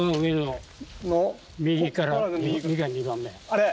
あれ。